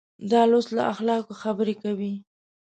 دا لوست له اخلاقو خبرې کوي.